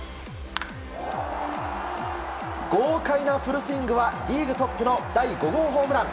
豪快なフルスイングはリーグトップの第５号ホームラン。